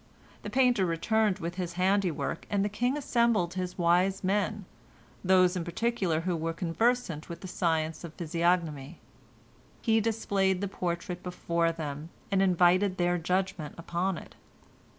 The painter returned with his handiwork, and the king assembled his wise men, those in particular who were conversant with the science of physiognomy. He displayed the portrait before them, and invited their judgment upon it.